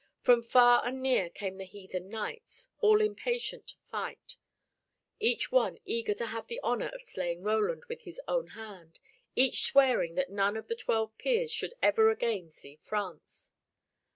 From far and near came the heathen knights, all impatient to fight, each one eager to have the honor of slaying Roland with his own hand, each swearing that none of the twelve peers should ever again see France.